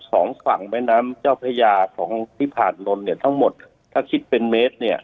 สองฝั่งแม่น้ำเจ้าพระยาของที่ผ่านลนเนี่ยทั้งหมดถ้าคิดเป็นเมตรเนี่ย